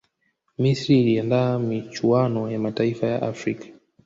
misri iliandaa michuano ya mataifa ya afrika